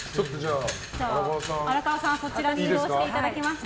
荒川さん、そちらに移動していただきまして。